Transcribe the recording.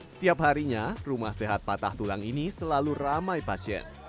setiap harinya rumah sehat patah tulang ini selalu ramai pasien